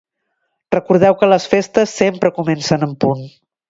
Recordeu que les festes sempre comencen en punt.